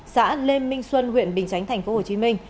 xã lê minh xuân huyện bình chánh tp hcm